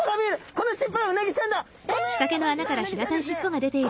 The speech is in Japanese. この尻尾はうなぎちゃんですね！